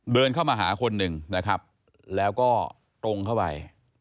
เดินเข้ามาหาคนหนึ่งนะครับแล้วก็ตรงเข้าไป